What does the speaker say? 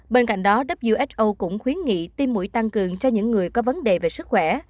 bên cạnh đó who cũng khuyến nghị tim mũi tăng cường cho những người có vấn đề về sức khỏe